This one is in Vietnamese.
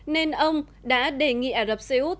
nên ông đã đề nghị ả rập xê út